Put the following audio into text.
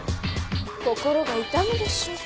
心が痛むでしょ。